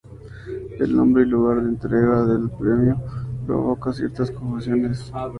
El nombre y lugar de entrega del premio provoca ciertas confusiones.